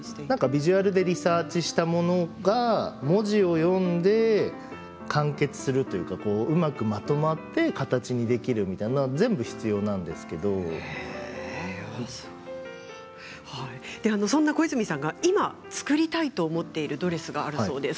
ビジュアルでリサーチしたものが文字を読んで完結したというかうまくまとまって形にできるということはそんな小泉さんが作りたいと思っているドレスがあるそうです。